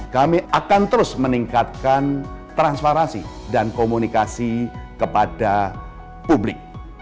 kami akan terus meningkatkan transparansi dan komunikasi kepada publik